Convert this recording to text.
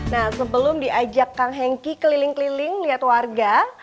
nah sebelum diajak kang hengki keliling keliling lihat warga